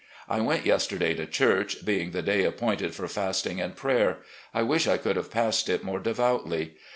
... I went yesterday to church, being the day appointed for fasting and prayer. I wish I could have passed it more devoutly.